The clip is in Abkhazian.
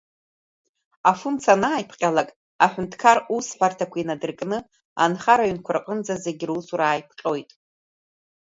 Афымца анааиԥҟьалак, аҳәынҭқар усҳәарҭақәа инадыркны, анхара ҩнқәа рҿынӡа, зегьы русура ааиԥҟьоит.